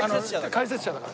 解説者だから。